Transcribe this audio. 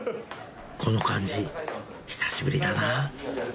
この感じ、久しぶりだな。